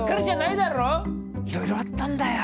いろいろあったんだよ！